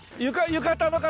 浴衣の方。